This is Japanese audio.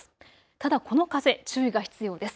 ただこの風、注意が必要です。